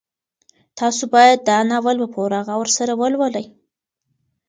تاسو باید دا ناول په پوره غور سره ولولئ.